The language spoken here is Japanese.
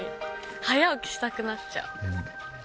早起きしたくなっちゃう。